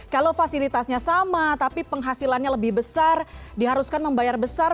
kalau fasilitasnya sama tapi penghasilannya lebih besar diharuskan membayar besar